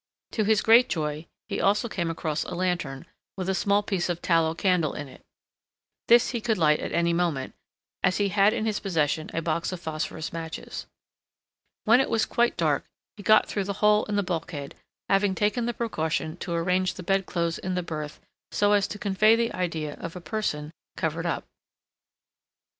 To his great joy he also came across a lantern, with a small piece of tallow candle in it. This he could light at any moment, as he had in his possession a box of phosphorus matches. When it was quite dark, he got through the hole in the bulkhead, having taken the precaution to arrange the bedclothes in the berth so as to convey the idea of a person covered up.